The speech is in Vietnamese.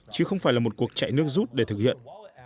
chứ không phải là một cuộc chạy nước rút để thực hiện